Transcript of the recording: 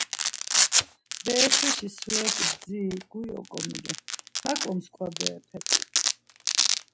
Berepeşi suret̆i bdziri guri oǩomilu, naǩo mskva berepe t̆u.